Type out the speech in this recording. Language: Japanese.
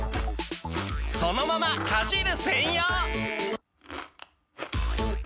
そのままかじる専用！